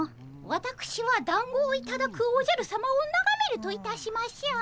わたくしはだんごをいただくおじゃるさまをながめるといたしましょう。